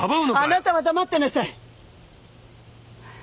あなたは黙ってなさい。